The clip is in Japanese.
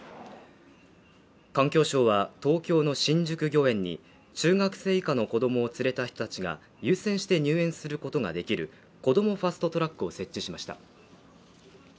環境省は東京の新宿御苑に、中学生以下の子供を連れた人たちが優先して入園することができるこどもファスト・トラックを設置しました。